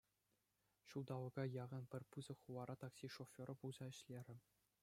Ҫулталӑка яхӑн пӗр пысӑк хулара такси шоферӗ пулса ӗҫлерӗ.